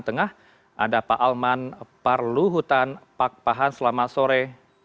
tengah ada pak alman parluhutan pak pahan selamat sore